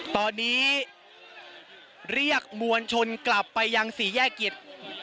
ตอนนี้เรียกมวลชนกลับไปยังสี่แยกกิจ